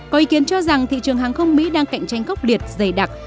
có ý kiến cho rằng thị trường hàng không mỹ đang cạnh tranh khốc liệt dày đặc